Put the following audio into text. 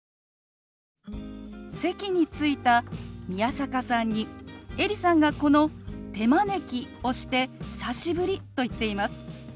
席に着いた宮坂さんにエリさんがこの「手招き」をして「久しぶり」と言っています。